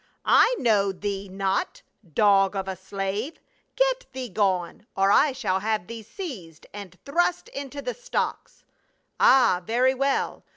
" I know thee not, dog of a slave ; get thee gone, or I shall have thee seized and thrust into the stocks." "Ah, very well.